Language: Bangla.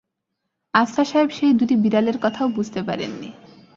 আফসার সাহেব সেই দুটি বিড়ালের কথাও বুঝতে পারেন নি।